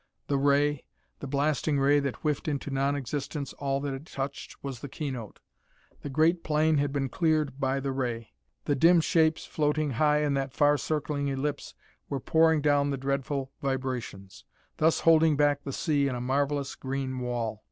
The ray, the blasting ray that whiffed into non existence all that it touched, was the keynote. The great plain had been cleared by the ray. The dim shapes floating high in that far circling ellipse were pouring down the dreadful vibrations, thus holding back the sea in a marvelous green wall.